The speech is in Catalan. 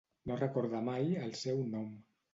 No recorda mai el seu nom.